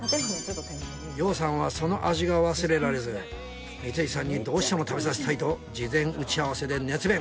羊さんはその味が忘れられず光石さんにどうしても食べさせたいと事前打ち合わせで熱弁！